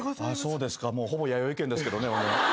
そうですかもうほぼやよい軒ですけどね。